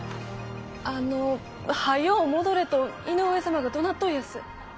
あのう「早う戻れ」と井上様がどなっといやす。